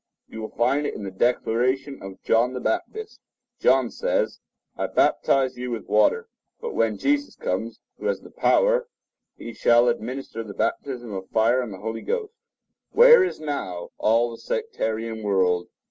You will find it in the declaration of John the Baptist. (Reads from the German.) John says, "I baptize you with water, but when Jesus comes, who has the power (or keys), he shall administer the baptism of fire and the Holy Ghost." Where is now all the sectarian world?